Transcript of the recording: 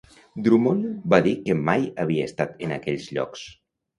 Drummond va dir que mai havia estat en aquells llocs.